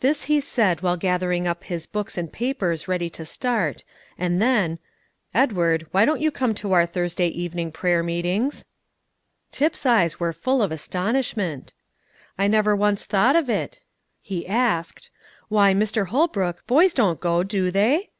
This he said while gathering up his books and papers ready to start, and then, "Edward, why don't you come to our Thursday evening prayer meetings?" Tip's eyes were full of astonishment. "I never once thought of it," he said. "Why, Mr. Holbrook, boys don't go, do they?"